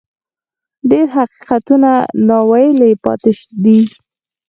ډېر حقیقتونه ناویلي پاتې دي.